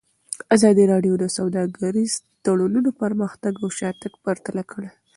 ازادي راډیو د سوداګریز تړونونه پرمختګ او شاتګ پرتله کړی.